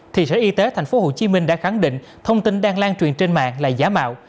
thì sở y tế tp hcm đã khẳng định thông tin đang lan truyền trên mạng là giả mạo